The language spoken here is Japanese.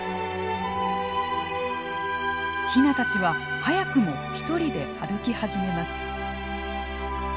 ヒナたちは早くも一人で歩き始めます。